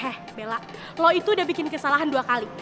eh bella lo itu udah bikin kesalahan dua kali